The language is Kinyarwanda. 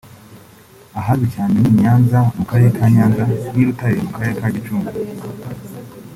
ahazwi cyane ni Nyanza mu karere ka Nyanza n’i Rutare mu karere ka Gicumbi